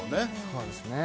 そうですね